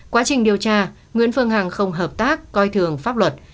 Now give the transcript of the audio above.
quá trình điều tra nguyễn phương hằng không hợp tác coi thường pháp luật